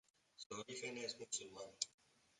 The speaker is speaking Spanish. Su origen es musulmán.